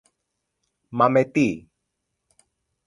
Μα με τι;